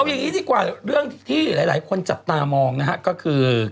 เอาอย่างนี้ดีกว่าเรื่องที่หลายคนจับตามองนะฮะก็คือ